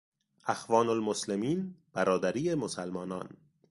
اخوان المسلمین، برادری مسلمانان